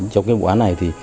trong cái vụ án này